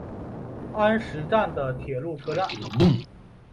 安食站的铁路车站。